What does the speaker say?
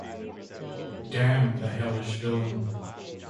Damn the hellish villain!